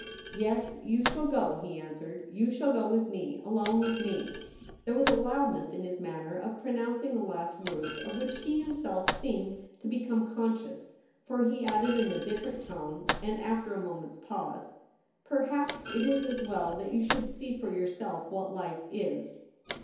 ' Yes, you shall go,' he answered. ' You shall go with me — alone with me.' There was a wildness in his manner of pronouncing the last words of which he himself seemed to become conscious, for he added in a different tone, and after a moment's pause, ' Perhaps it is as well that you should see for yourself what life is.'